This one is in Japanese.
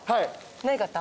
何買った？